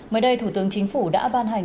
mới đây thủ tướng chính phủ đã ban hành